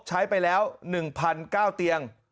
ใช้ไปแล้ว๑๙เตียง